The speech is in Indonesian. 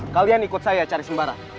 kalian ikut saya cari sembarang